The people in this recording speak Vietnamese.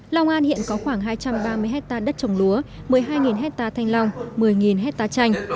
long an hiện có khoảng hai trăm ba mươi hectare đất trồng lúa một mươi hai hectare thanh long một mươi hectare chanh